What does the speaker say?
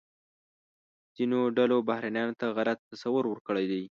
ځینو ډلو بهرنیانو ته غلط تصور ورکړی دی.